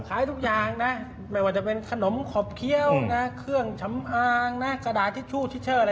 ขายทุกอย่างนะไม่ว่าจะเป็นขนมขบเคี้ยวนะเครื่องสำอางนะกระดาษทิชชู่ทิเชอร์อะไร